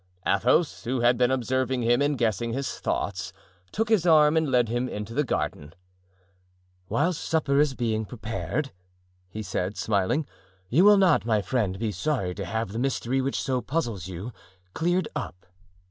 Athos, who had been observing him and guessing his thoughts, took his arm and led him into the garden. "Whilst supper is being prepared," he said, smiling, "you will not, my friend, be sorry to have the mystery which so puzzles you cleared up."